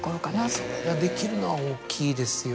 それができるのは大きいですよね。